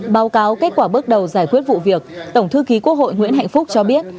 báo cáo kết quả bước đầu giải quyết vụ việc tổng thư ký quốc hội nguyễn hạnh phúc cho biết